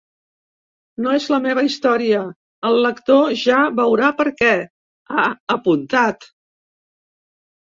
“No és la meva història, el lector ja veurà per què”, ha apuntat.